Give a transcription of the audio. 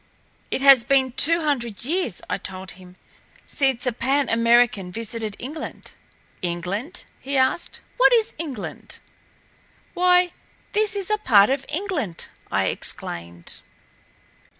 "It has been two hundred years," I told him, "since a Pan American visited England." "England?" he asked. "What is England?" "Why this is a part of England!" I exclaimed.